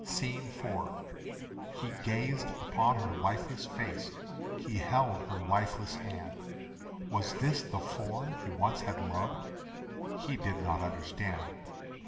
SCENE IV. He gazed upon her lifeless face, He held her lifeless hand. Was this the form he once had loved? He did not understand.